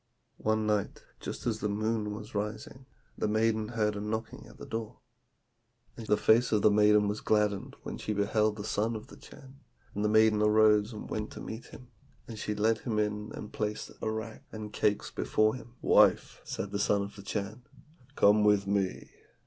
"One night, just as the moon was rising, the maiden heard a knocking at the door, and the face of the maiden was gladdened when she beheld the son of the Chan; and the maiden arose and went to meet him, and she led him in and placed arrack and cakes before him. 'Wife,' said the son of the Chan, 'come with me!'